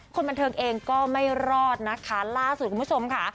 คนบันเทิงเองก็ไม่รอดนะคะล่าสุดคุณผู้ชมค่ะ